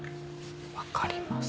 分かります。